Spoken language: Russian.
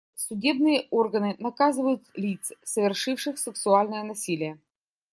Судебные органы наказывают лиц, совершивших сексуальное насилие.